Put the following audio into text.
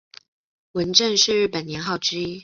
文正是日本年号之一。